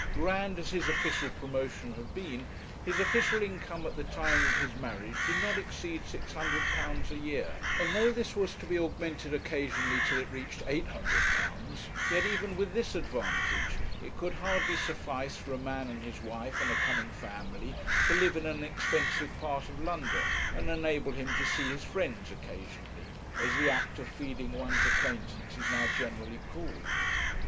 Grand as his official promotion had been, his official income at the time of his marriage did not exceed £600 a year, and though this was to be augmented occasionally till it reached £800, yet even with this advantage it could hardly suffice for a man and his wife and a coming family to live in an expensive part of London, and enable him to 'see his friends' occasionally, as the act of feeding one's acquaintance is now generally called.